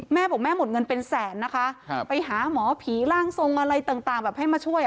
แม่บอกแม่หมดเงินเป็นแสนนะคะไปหาหมอผีร่างทรงอะไรต่างแบบให้มาช่วย